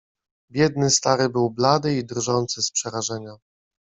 "Biedny stary był blady i drżący z przerażenia."